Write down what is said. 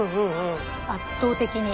圧倒的に。